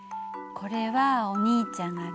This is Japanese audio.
これはお兄ちゃんが６歳の時。